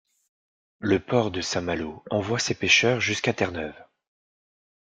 Le port de Saint-Malo envoie ses pêcheurs jusqu’à Terre-Neuve.